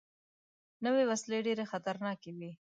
نوې وسلې ډېرې خطرناکې وي